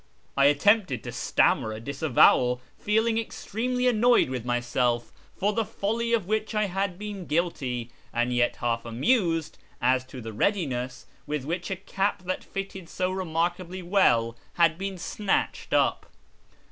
I attempted to stammer a disavowal, feeling extremely annoyed with myself for the folly of which I had been guilty, and yet half amused at the readiness with which a cap that fitted so remarkably well had been snatched up.